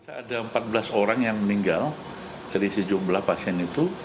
ada empat belas orang yang meninggal dari sejumlah pasien itu